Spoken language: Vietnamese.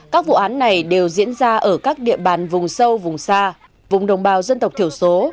các vụ án này đều diễn ra ở các địa bàn vùng sâu vùng xa vùng đồng bào dân tộc thiểu số